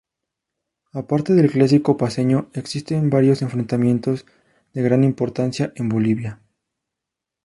Aparte del Clásico Paceño, existe varios enfrentamientos de gran importancia en Bolivia.